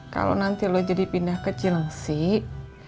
kalau nanti lu jadi pindah kecil ngasih